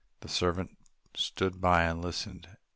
The servant stood by and listened.